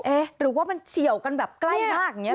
หรือว่ามันเฉียวกันแบบใกล้มากอย่างนี้